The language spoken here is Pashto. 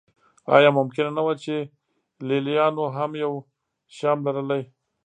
ایا ممکنه نه وه چې لېلیانو هم یو شیام لرلی.